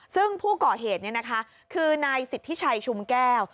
ซึ่งผู้ก่อเหตุคือนายสิทธิชัยชุมแก้ว